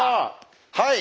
はい。